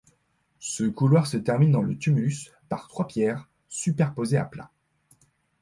Ce couloir se termine dans le tumulus par trois pierres superposées à plat.